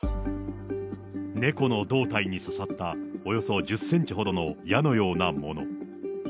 猫の胴体に刺さったおよそ１０センチほどの矢のようなもの。